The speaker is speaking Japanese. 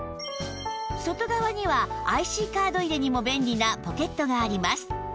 外側には ＩＣ カード入れにも便利なポケットがあります